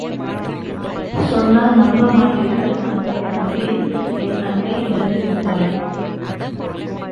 சொன்னால் நம்பமாட்டீர்கள் அந்தத் தந்தியில் என் அன்னை இறந்து விட்டாள்.